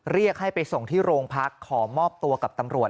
เรียกให้ไปส่งที่โรงพักขอมอบตัวกับตำรวจ